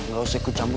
gak usah ikut campur